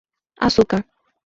açúcar